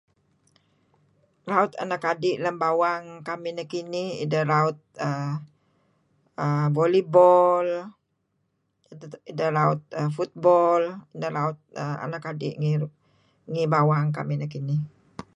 Raut anak adi' lem bawang kamih neh kinih ideh raut err volleyball, ideh raut football, ideh raut anak adi' ngi bawang kamih nekinih.